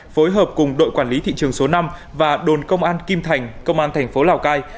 phối hợp cùng đội quản lý thị trường số năm và đồn công an kim thành công an thành phố lào cai